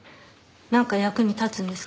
なんか役に立つんですか？